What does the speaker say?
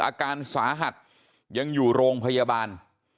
อาการสาหัสยังอยู่โรงพยาบาล